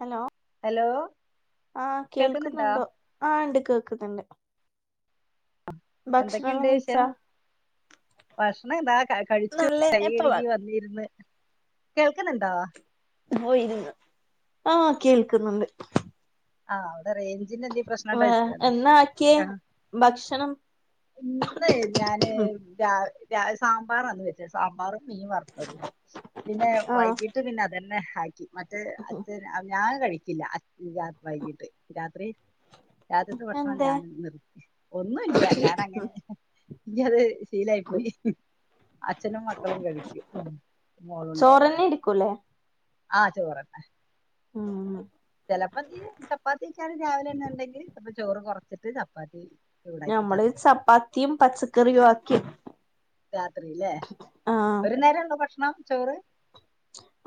Hello hello ആ കേൾക്കുന്നുണ്ടോ? കേൾക്ക്ന്ന്ണ്ടോ ആ ഇണ്ട് കേക്ക്ന്ന്ണ്ട് എന്തൊക്കെണ്ട് വിഷയം കഴിച്ചാ ഭക്ഷണം ഇതാ ക കഴിച്ചു നല്ലന്നെ ഇപ്പ വ കയ്യെഴ്കി വന്നിര്ന്ന് കേൾക്ക്ന്ന്ണ്ടാ പോയിര്ന്ന് ആഹ് കേൾക്ക്ന്ന്ണ്ട് ആഹ് അവിടെ റേഞ്ചിന്റെ എന്തേം പ്രശ്നണ്ടോച്ചാണ് എന്നാ ആക്കിയേ ഭക്ഷണം ഇന്ന് ഞാന് രാ വിലെ സാമ്പാറാന്ന് വെച്ച സാമ്പാറും മീൻ വറുത്തതും. പിന്നെ ആഹ് വൈകീട്ട് പിന്നെ അതന്നെ ആക്കി മറ്റേ അച്ഛൻ ഞാൻ കഴിക്കില്ല അ രാ വൈകിട്ട് രാത്രി രാത്രിത്തെ ഭക്ഷണം എന്തേ ഞാൻ നിർത്തി ഒന്നുംല്യ ഞാൻ അങ്ങനെ ഇല്യ അത് ശീലായി പോയി അച്ഛനും മക്കളും കഴിക്കും ഉം മോളുണ്ടായിര്ന്ന് ചോറന്നെ എടുക്കൂലേ ആഹ് ചോറന്നെ ആ ചെലപ്പതി ചപ്പാത്തിക്യാരം രാവിലെന്ന്ണ്ടെങ്കി അപ്പം ചോറ് കൊർച്ചിട്ട് ചപ്പാത്തി ചൂടാക്കിട്ട് ഞമ്മള് അത് ചപ്പാത്തിം പച്ചക്കറിയു ആക്കി രാത്രില്ലേ ഒരു നേരം ഇണ്ടോ ഭക്ഷണം ചോറ്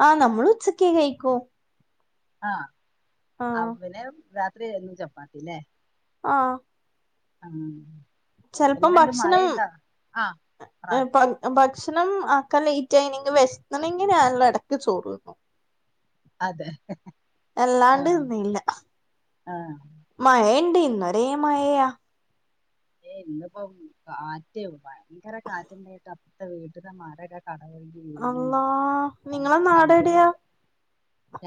ആ നമ്മള് ഉച്ചക്കെ കഴിക്കൂ ആ ആഹ് അവന് രാത്രിയ്രുന്നു ചപ്പാത്തില്ലേ ആഹ് ഉം ചെൽപ്പം ഭക്ഷണം ആ പറ [unintelligible] ഭക്ഷണം ആക്കാ ലേറ്റായിണെങ്കില് വെഷ്ന്ന്ണങ്കി ഞങ്ങള് എടക്ക് ചോറ്ന്നും അതെ ആ അല്ലാണ്ട്ന്നില്ല ആ മഴയ്ണ്ട് ഇന്നൊരേ മഴയാ ഏ ഇന്നിപ്പോ കാറ്റ് ഭയങ്കര കാറ്റ്ണ്ടായിട്ട് അപ്പർത്തെ വീട്ട്ത്തെ മരക്കെ കടപൊഴികി വീണ് അള്ളാ ആ നിങ്ങളെ നാടെവിടെയാ കമ്പനിത്തെ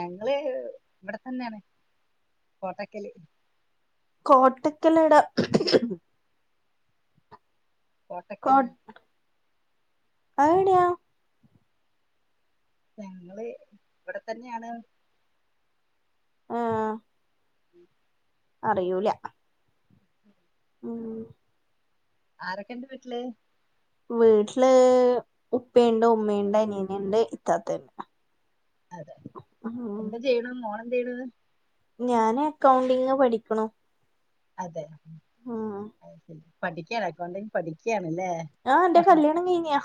ഞങ്ങള് ഇവിടെ തന്നെണ് കോട്ടക്കല് കോട്ടക്കലേടെ കോട്ടക്കൽ ആ ഏടെയാ ഞങ്ങള് ഇവടെ തന്നെണ് ആഹ് ഉം അറിയൂല. ഉം ആരൊക്കെ ണ്ട് വിട്ട്ല്.? വീട്ടില് ഉപ്പിണ്ട് ഉമ്മിണ്ട് അനിയനിണ്ട് ഇത്താത്തണ്ട്. അതെ ഉം എന്താ ചെയ്യണ് മോള് എന്ത് യ്ണ്? ഞാന് എക്കൗണ്ടിങ് പഠിക്ക്ണു. അതെ പഠിക്കാണ് എകൗണ്ടിങ് പഠിക്ക ന്നെ ആഹ് അന്റെ അ ആ കല്യാണം കഴിഞ്ഞാ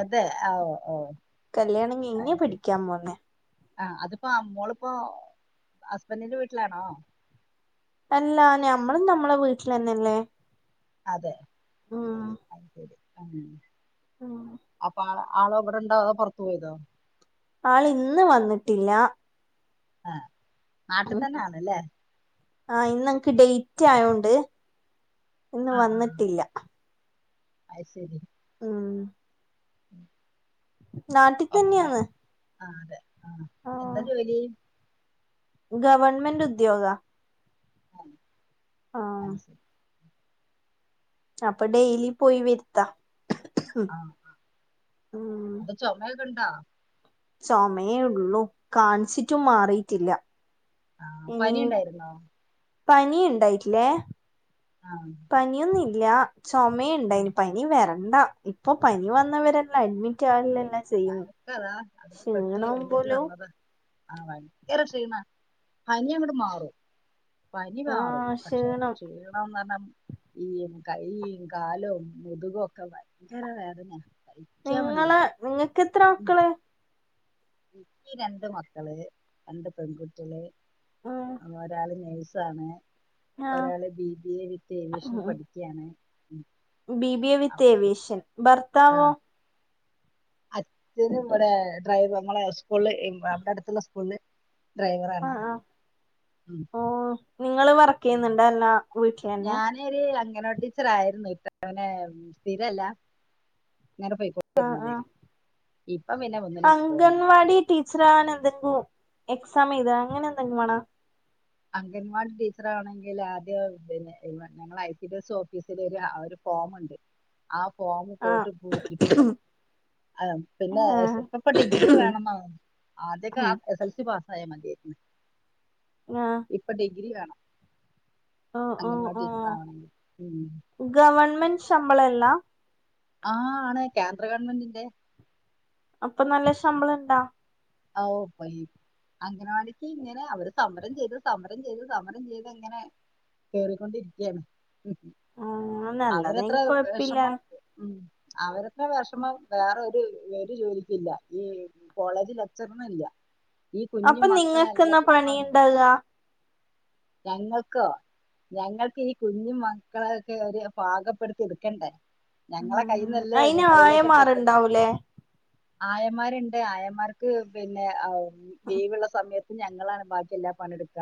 അതെ അ ഓ ഓ കല്യാണം കൈഞ്ഞെ അത് ശരി പടിക്കാൻ പോന്നെ. ആ അത്പ്പോ അ മ്മോള് പ്പൊ ഹസ്ബന്റിന്റ വീട്ട്ലാണോ.? എല്ലാ ഞമ്മളും നമ്മളെ വീട്ട്ലന്നല്ലേ.? അതെ അ ശരി ആ മ് ആളോ വ്ടെ ണ്ടോ തോ പൊറത്ത് പോയതോ.? ആള് ഇന്ന് വന്നിട്ടില്ല ആഹ നാട്ട് തന്നെ ആണ്ലെ? ആഹ ഇന്നൻക്ക് ഡൈറ്റ് ആയോണ്ട് ഇന്ന് വന്നിട്ടില്ല. അഹ് ശരി. ആഹ് മ് നാട്ടി തെന്നെയാണ്. ആ അതെ ആഹ എന്താ ജോലി? ഗവൺമെന്റ് ഉദ്യോഗ. ആഹ ആ അഹ് ശരി. അപ്പൊ ഡെയിലി പോയി വെര്ത്ത. ആഹ പ്പൊ ചൊമയൊക്കെ ണ്ടാ.? ചൊമയേള്ളൂ കാണിച്ചിറ്റും മാറിറ്റില്ല. ആഹ പനി ണ്ടായിരുന്നോ? പനി ഇണ്ടായിട്ട് ലെ. ആ പനിയൊന്നുല്ല ആ. ചൊമിയ്ണ്ടെയ്ന് പനി വേര ണ്ടാ ഇപ്പൊ പനി വന്നവരെല്ലാം അഡ്മിറ്റ് ആവല്ലെ ഞാനൊക്കെ അതാ അതില് പെട്ട് എണീറ്റ് പോലും വന്നതാ. ആ വയങ്കര ഷീണ പനി ങ്ങട്ട് മാറും പനി ആ മാറും പക്ഷെ ക്ഷീണം ക്ഷീണംന്നർണ്ണ ഈ കൈയും കാലും മുതുകും ഒക്കെ ഭയങ്കര വേദന. സഹിക്കാൻ വയ്യ നിങ്ങളെ നിങ്ങക്കത്രെ ക്കള്.? ഇന്ക് രണ്ട് മക്കള് രണ്ട് പെൺകുട്ടിള് ഉം ഒരാള് നെയ്‌ സാണ് ആ ഒരാള് B B A with aviation പഠിക്കാണ്. ബിബി എ വിത്ത് ഏവിയേശൻ ആ ഭർത്താവോ.? അച്ഛന് വടെ ഡ്രൈവ മ്മളെ സ്കൂള്ള് അ അവ്ടെ അടുത്തുള്ള സ്കൂള്ള് ഡ്രൈവറാ ആ ണ്. ആ ഉം ഓ നിങ്ങള് വർക്ക് ചെയ്യുന്ന്ണ്ട ല്ല ഞാനൊര് അങ്ങൻവ ടീച്ചർ ആയിരുന്നു ഇപ്പൊ ങ്ങനെ സ്ഥിരല്ല. [unintelligible] ആ പോയികൊണ്ടിരുന്ന ആ തെയ് അംഗൻവാടി ടീച്ച്റ് ആണദികു എക്സാം എയ്ത അങ്ങനെ എന്തെങ്കും മാണോ? അംഗൻ വടി ടീച്ചറാവ്ണങ്കില് ആദ്യ പിന്നെ എമ ഞങ്ങളെ ഐ ട്ടി [unintelligible] ഓഫീസില് രു ആ രു ഫോമ്ണ്ട് ആ ഫോമ് ആ പോയിട്ട് പൂരി പ്പിക്കണം ആ പിന്നെ ഇപ്പ ഇപ്പ ഡിഗ്രി വേണെന്ന ആദ്യക്കെ അ എസ് എൽ സി പാ പയെ മതിര്ന്ന് ആ ഇപ്പൊ ഡിഗ്രി വേണം. അംഗൻവാടി അഅഅഹ് ടീച്ചർ ആവണമെങ്കിൽ ഉം. ഗവണ്മെന്റ് ശമ്പളല്ലാ ആ ആണ് കേന്ദ്ര ഗവൺമെന്റിന്റെ അപ്പൊ നല്ല ശമ്പളം ഇണ്ടാ? അഒ പയി അങ്ങനെവാടിക്ക് ഇങ്ങനെ അവര് സമരം ചെയ്ത് സമരം ചെയ്ത് സമരം ചെയ്ത് ഇങ്ങനെ കേറിക്കൊണ്ടിരിക്കാണ് ആ അവരെത്ര നല്ലതെങ്കി കൊഴപ്പില്ല വിഷമം ഉ അവരക്കെ വിഷമം വേറെരു ഒരു ജോലിക്കില്ല ഈ കോളേജില ത്ചെറണില്ല അപ്പൊ നിങ്ങക്ക്ന്നാ പണിണ്ടാവ്ക ഞങ്ങൾക്കോ ഞങ്ങൾക്ക് ഈ കുഞ്ഞിമക്കളൊക്കെ ഒരു പാകപ്പെടുത്തി എടുക്കണ്ടേ ഞങ്ങളെ ഉം കയ്ന്നല്ലേ അയിന് നിങ്ങളിലേക്കക്കെ എത്തുന്ന ആയമാറുണ്ടാവൂലേ ആയമാരുണ്ട് ആയന്മാർക്ക് പിന്നെ അ അം ലീവള്ള സമയ ഞങ്ങളാണ് ബാക്കിയെല്ലാ പണിട്ക്ക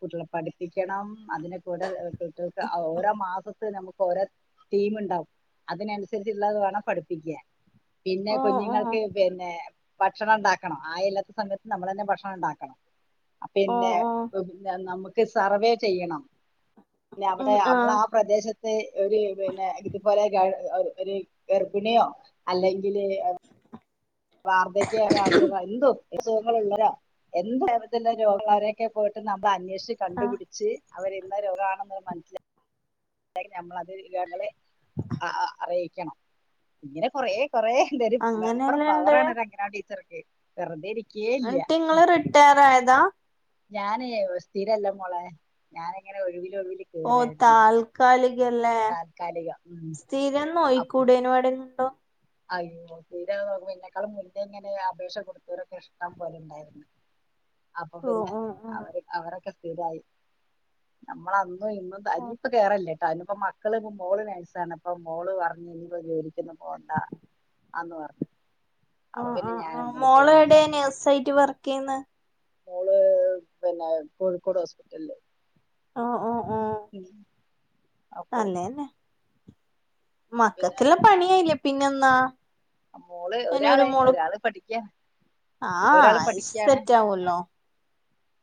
കുട്ടികളെ പഠിപ്പിക്കണം അതിനെ കൂടെ കുട്ടികൾക്ക് ഔ ഓരോ മാസത്ത് നമുക്ക് ഓരോ തീം ഉണ്ടാവും അതിനനുസരിച്ചള്ളത് വേണം പഠിപ്പിക്കാൻ പിന്നെ ഓ ഓ കുഞ്ഞുങ്ങൾക്ക് പിന്നെ ഭക്ഷണം ഉണ്ടാ ക്കണം ആ ഇല്ലാത്ത സമയത്ത് നമ്മൾ തന്നെ ഭക്ഷണം ഉണ്ടാക്കണം അ ഓ പിന്നെ ഓ നമുക്ക് സർവേ ചെയ്യണം പിന്നെ അവിടെ അമ്മള ആ പ്രദേശത്ത് ഒരു പിന്നെ ഇതുപോലെ ഗ എ ഒരു ഗർഭിണിയോ അല്ലെങ്കില് വാർധക്കായസുഖ എന്തു അസുഖങ്ങള്ളരോ എന്ത് അർജന്റ് രോഗങ്ങളരെയൊക്കെ പോയിട്ട് നമ്മൾ അന്വേഷിച്ച് ആ കണ്ടുപിടിച്ച് അവർ ഇന്ന രോഗമാണെന്ന് മനസ്സിലാക്ക നമ്മളത് ങ്ങളെ അഅ അറിയിക്കണം ഇങ്ങനെ കൊറേ കൊറേ എന്തര മെമ്പറെ അങ്ങനെല്ലാം ഇണ്ട് പവറാണ് ഒരു അങ്ങന ടീച്ചർക്ക് വെറുതെ ഇരിക്ക എന്നട്ട് നിങ്ങള് റിട്ടയർ ആയതാ ഞാനേ സ്ഥിരല്ല മോളെ ഞാനിങ്ങനെ ഒഴിവിൽ ഓ താൽക്കാലിക കല്ലേ താൽക്കാലികം ഉം സ്ഥിരം അപ് നോയിക്കൂടേന വടെണ്ടോ അയ്യോ തീര എന്നെക്കാളും മുന്നേഇങ്ങനെ അപേക്ഷ കൊടുത്തവരൊക്കെ ഇഷ്ടം പോലണ്ടായിരുന്നു അപ്പൊ ഓ പിന്നെ ഓ ഓ അവര് അവരൊക്കെ സ്ഥിരായി നമ്മള ഇന്നും ഓ തനിപ്പ് കേയറല്ലേ അനിപ്പ മക്കൾ മോള് നേഴ്സാണിപ്പ മോള് പറഞ്ഞ് ഇനിപ്പോ ജോലിക്കൊന്നും പോണ്ട ആന്ന് പറഞ്ഞ് ആ ആ ആഹ് മോള എടെ നെഴ്സായിട്ട് വർക്ക് ചെയ്യുന്ന മോള് ഇ പിന്നെ കോഴിക്കോട് ഹോസ്പിറ്റല് ആ ആഹ് ഉം അപ്പൊ അന്നന്നെ പിന്നെ മക്കക്കെല്ലാം പണിയായില്ലെ പിന്നെന്നാ മോള് ഒരാള് ഒരാള് പഠിക്ക ആഹ് ആഐസ് തെറ്റ ആവല്ലോ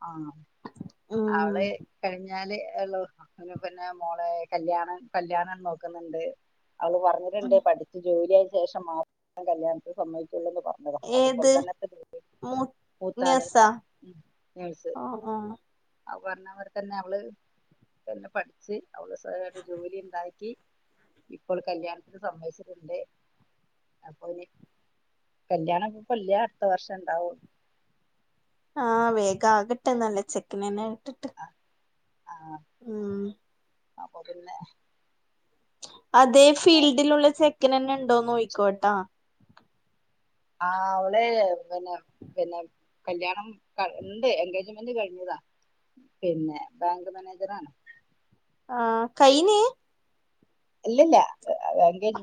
ആഹ് ഉം അവള് കഴിഞ്ഞാല് ഉള്ളൂ പിന്നെ മോളെ കല്യാണം കല്യാണം നോക്കുന്നത് ണ്ട് അവള് പറഞ്ഞിട്ടുണ്ട് പഠിച്ചു ജോലിയായ ശേഷം മാത്രം കല്യാണത്തി സമ്മയ് ഏത് മൂത്താള് മുനേഴ്സ അ അഹ് അവ പറഞ്ഞപോലെ തന്നെ അവള് പിന്നെ പഠിച്ച് അവള് സോയായിട്ട് ജോലി ഉണ്ടാക്കി ഇപ്പോൾ കല്യാണത്തിന് സമ്മയ്ച്ചിട്ടുണ്ട് അപ്പൊ ഇനി കല്യാണപ്പല്ല അടുത്ത വർഷം ഇണ്ടാവൂ ആ വേഗ ആകട്ടെ നല്ല ചെക്കനെ തന്നെ കിട്ടിട്ട് ആ ഉം അപ്പൊ പിന്നെ അതേ ഫീൽഡിലുള്ള ചെക്കന് ന്നെ ഉണ്ടോന്ന് നോയ്ക്കോട്ടാ ആ അവളെ പിന്നെ പിന്നെ കല്യാണംണ്ട് എൻഗേജ്മെന്റ് കഴിഞ്ഞതാ പിന്നെ ബാങ്ക് മാനേജർ ആണ് ആ കൈഞ്ഞ് ഇല്ലില്ല എൻഗേജ്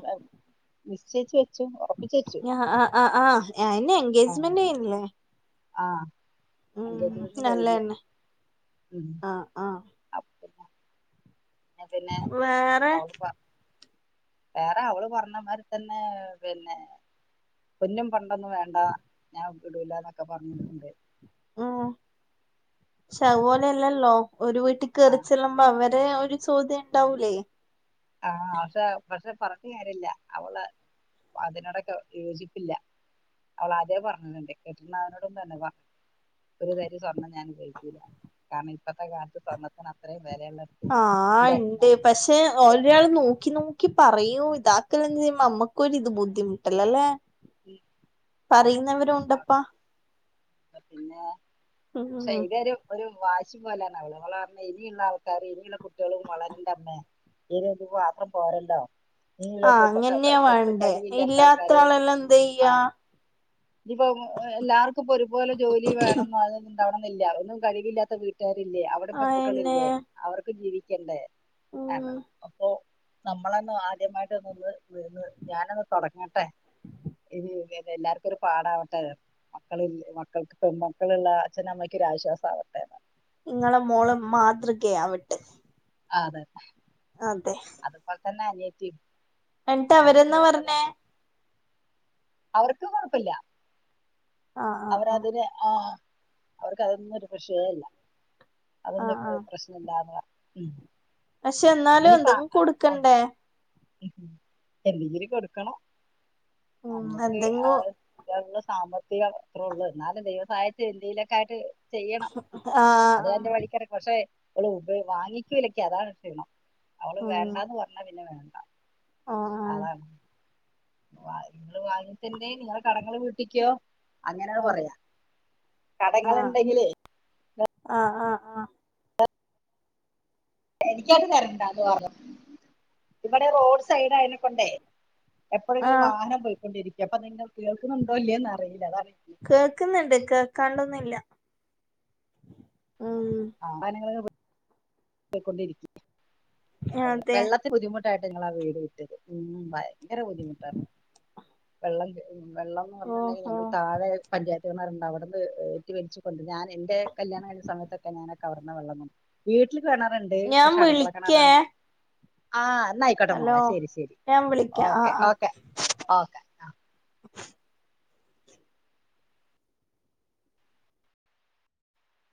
നിശ്ചയിച്ച് വെ ആ ആ ആ ആ എന്നെ എൻഗേജ്മെന്റ് കഴിഞ്ഞില്ലെ ആ എൻഗേജ്മെന്റ് കഴിഞ്ഞു നല്ലന്നെ മ് ആ ആ അപ്പോ പിന്നെ പിന്നെ വേറെ അവള് പ വേറെ അവള് പറഞ്ഞ മാരി തന്നെ പിന്നെ പൊന്നും പണ്ടൊന്നും വേണ്ട ഞാൻ വിടുല്ലന്നൊക്കെ പറഞ്ഞ്ട്ട്ണ്ട് ശ്ശെ അതുപോലല്ലല്ലോ ഒരു വീട്ടിൽ ആഹ് കേറിച്ചെല്ലുമ്പോ അവ ടെ ഒരു ചോദ്യംണ്ടാവൂലേ ആ അത് പക്ഷെ പറഞ്ഞ് കാര്യല്ല അവള് അതിനോടൊക്കെ യോജിപ്പില്ല അവളാദ്യേ പറഞ്ഞിട്ടുണ്ട് കെട്ട്ന്നാളിനോടും പറഞ്ഞ് വ ഒരു തരി സ്വർണ്ണം ഞാൻ ഉപയോഗിക്കൂല കാരണം ഇപ്പത്തെ കാലത്ത് സ്വർണത്തിന് അത്രേം ആ ഇണ്ട് പക്ഷെ ഓൽ ബുദ്ധിമുട്ടിക്കാൻ ചെലയാള് നോക്കി നോക്കി പറയൂ ഇതാക്കല്ലെചെയ്യുമ്പോ അമ്മക്കൊരിത് ബുദ്ധിമുട്ടല്ലല്ലേ പറയുന്നവരും ഉണ്ടപ്പാ പിന്നെ ഉം സെയ്തേരു ഒരു വയ് ച്ച്പോലാണവള്. അവള് പറഞ്ഞ് ഇനിയിള്ള ആൾക്കാര് ഇനിയിള്ള കുട്ടികളും വളരണ്ടമ്മേ [unintelligible] പാത്രം പോരല്ലോ ഇനിയുള്ള ആ കു- പ- ക- അങ്ങന്യാ ക- ഒട്ടും വേണ്ടേ കഴിവില്ലാത്ത ഇല്ലാത്ത ആൾക്കാര് ആളെല്ലോ എന്തെയ്യാ ഇതിപ്പം എല്ലാർക്കുപ്പൊ ഒരുപോലെ ജോലി വേണം അതെന്നും ഉണ്ടാവണെന്നില്ല ഒന്നും കഴിവില്ലാത്ത വീ ട്ട്കാരില്ലേ അവിടെ അയന്നെ പെൺകുട്ടളില്ലേ അവർക്കും ജീവിക്കണ്ടേ ആ ഉം അപ്പൊ നമ്മളന്ന് ആദ്യമായിട്ട് അത് വത് ഞാനൊന്ന് തൊടങ്ങട്ടെ ഇത് യൂസ് ചെയ്യുന്ന എല്ലാർക്കും ഒരു പാടാവട്ടെ മക്കളി മക്കൾക്ക് പെൺമക്കളുള്ള അച്ഛനമ്മയ്ക്കൊ ഒരാശ്വാസം ആവട്ടെന്ന് ങ്ങളെ മോള് മാതൃകയാവ് ആ അതെ എന്നാ അനിയത്തീം എന്ന്ട്ട് അവരെന്നാ പറഞ്ഞേ അവർക്ക് കൊഴപ്പില്ല ആഹ് ആഹ് ആഹ് അവരതിന് ആ അവർക്ക് അതൊന്നും ഒരു പ്രശ്‌നേയല്ല അതൊന്നും ആഹ് ആഹ് പ്രശ്നണല്ലാന്ന് പർ ഉം പക്ഷെ എന്നാലും ഇനിയിപ്പ എന്തെങ്കും ആ ഉം കൊടുക്കണ്ടേ എന്തെങ്കിലും കൊടുക്കണം ഉം നമ്മുക്ക് ആ എന്തെങ്കും രണ്ടു സ് സാമ്പത്തികം അത്രേ ഉള്ളൂ എന്നാലും ദൈവംസഹായിച്ച് എന്തെലൊക്കെ ആയിട്ട് ചെയ്യണം ആഹ് അത് അതിന്റെ ആഹ് വഴിക്കടക്കും പക്ഷെ അവള് ഉപേ വാങ്ങിക്കെലക്കെ അതാണ് ക്ഷീണം അവള് ഉം വേണ്ടാന്ന് പറഞ്ഞാൽ പിന്നെ വേ ആഹ് വ നിങ്ങള് വാങ്ങിച്ചിണ്ടെ നിങ്ങള് കടങ്ങള് വീട്ടിക്കോ അങ്ങനെയാ ആഹ് പറയാ കടങ്ങള്ണ്ടെങ്കിലേ ആ ആ ആ എനിക്കൊള്ള തരണ്ടാന്ന് പറഞ്ഞു. ഇവിടെ റോഡ് സൈഡ് ആയതിനെ കൊണ്ടേ എപ്പോഴെങ്കിലും ആഹ് വാഹനം പോയിക്കൊണ്ടിരിക്ക അപ്പൊ നിങ്ങൾ കേൾക്കുന്നുണ്ടോ ഇല്ലയോന്ന് അറിയില്ല അതാണേ കേൾക്കാണ്ടൊന്നുല്ല ആ [unintelligible] പൊയ്ക്കൊണ്ടിരി അതെ വെള്ളത്തി ബുദ്ധിമു [unintelligible] ക്കെയാ ഞങ്ങള് ആ വീട് വിറ്റത് ഭയങ്കര ബുദ്ധിമുട്ടാണ് വെള്ളം മ് വെള്ളംന്ന് പറഞ്ഞിട്ടുണ്ടെങ്കി ഓഹോ ഞങ്ങൾ താഴെ പഞ്ചായ [unintelligible] [unintelligible] ഏറ്റി വലിച്ചുകൊണ്ട ഞാൻ എന്റെ കല്യാണായ സമയത്ത ഞാനൊക്കെ അവിടന്നാ വെള്ളം കൊവീട്ടില് കിണറുണ്ട് ഞാൻ പക്ഷെ അടക്കള വിളിക്കേ കിണറാണ് ആ എന്നാ യിക്കോട്ടെ മോളെ ഹലോ ശരി ശരി ഞാൻ വിളിക്കാം ആഹ് ഓക്കെ ആഹ് ഓക്കെ ഓക്കെ ആ